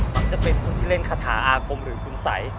มักจะเป็นคนที่เล่นคาถาอาคมหรือคุณสัย